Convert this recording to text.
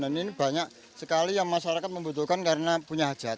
dan ini banyak sekali yang masyarakat membutuhkan karena punya hajat